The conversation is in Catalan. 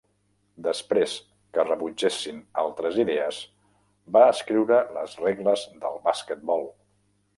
Després que rebutgessin altres idees, va escriure les regles del basquetbol.